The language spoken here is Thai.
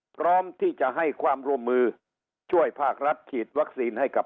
พร้อมที่จะให้ความร่วมมือช่วยภาครัฐฉีดวัคซีนให้กับ